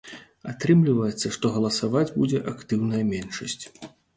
Атрымліваецца, што галасаваць будзе актыўная меншасць.